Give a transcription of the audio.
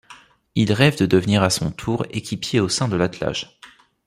Il rêve de devenir à son tour équipier au sein de l'attelage.